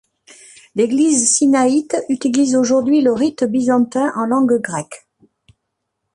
L'Église sinaïte utilise aujourd'hui le rite byzantin en langue grecque.